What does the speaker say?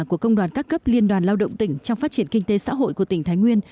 của công đoàn các cấp liên đoàn lao động tỉnh trong phát triển kinh tế xã hội của tỉnh thái nguyên